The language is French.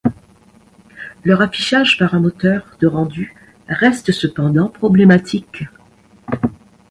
Leur affichage par un moteur de rendu reste cependant problématique.